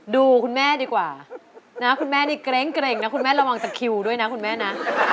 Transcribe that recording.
ดูคุณแม่ดีกว่านะคุณแม่นี่เกร็งนะคุณแม่ระวังตะคิวด้วยนะคุณแม่นะ